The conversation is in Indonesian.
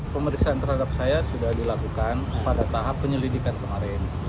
pemeriksaan terhadap saya sudah dilakukan pada tahap penyelidikan kemarin